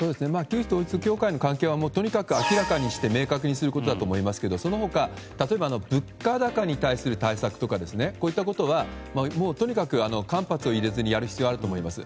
旧統一教会との関係は明らかにして明確にすることだと思いますがその他の物価高に対する対策とかこういったことはもうとにかく間髪を入れずにやる必要があると思います。